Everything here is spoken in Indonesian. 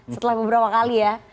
setelah beberapa kali ya